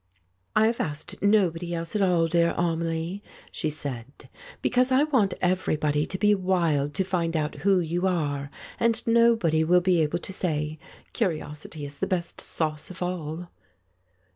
"I have asked nobody else at all, dear Amelie," she said, "because I want everybody to be wild to find out who you are, and nobody will be able to say. Curiosity is the best sauce of all."